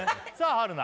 春菜